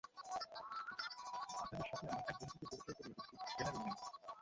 আপনাদের সাথে আমার এক বন্ধুকে পরিচয় করিয়ে দিচ্ছি, জেনারেল ইয়াং!